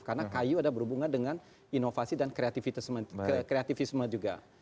karena kayu ada berhubungan dengan inovasi dan kreativisme juga